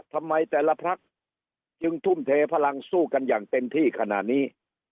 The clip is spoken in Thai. ทำไมแต่ละพักจึงทุ่มเทพลังสู้กันอย่างเต็มที่ขนาดนี้